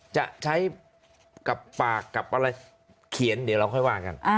จะใช้กับปากกับอะไรเขียนเดี๋ยวเราค่อยว่ากัน